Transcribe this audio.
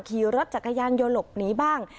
ขี่รถจักรยานโยลกหนีบ้าง